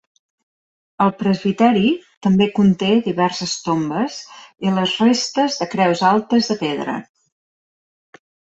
El presbiteri també conté diverses tombes i les restes de creus altes de pedra.